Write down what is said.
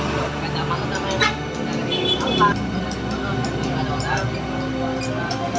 semoga khair n bem